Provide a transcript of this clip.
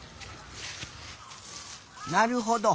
なるほど。